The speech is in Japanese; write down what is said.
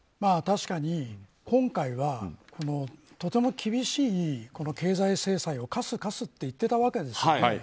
確かに、今回はとても厳しい経済制裁を科す科すって言ってたわけですよね。